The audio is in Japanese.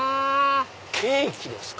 ケーキですか。